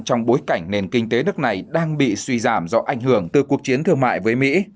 trong bối cảnh nền kinh tế nước này đang bị suy giảm do ảnh hưởng từ cuộc chiến thương mại với mỹ